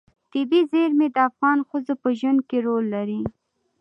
طبیعي زیرمې د افغان ښځو په ژوند کې رول لري.